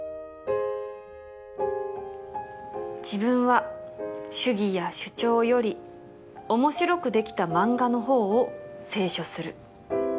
「自分は主義や主張より面白くできた漫画の方を清書する」